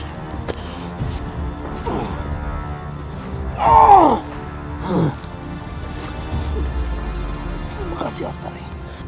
terima kasih artani